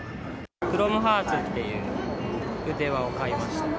クロムハーツっていう腕輪を買いました。